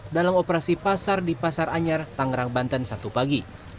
dalam operasi pasar di pasar anyar tangerang banten sabtu pagi